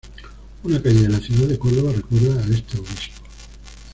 Una calle de la ciudad de Córdoba recuerda a este obispo.